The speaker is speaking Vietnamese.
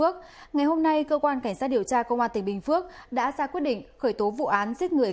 cảm ơn các bạn đã theo dõi